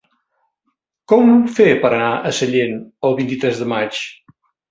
Com ho puc fer per anar a Sallent el vint-i-tres de maig?